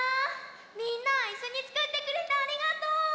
みんないっしょにつくってくれてありがとう。